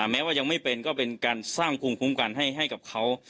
แม้ว่ายังไม่เป็นก็เป็นการสร้างภูมิคุ้มกันให้กับเขา